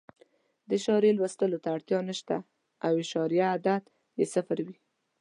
د اعشاریې لوستلو ته اړتیا نه شته او اعشاریه عدد یې صفر وي.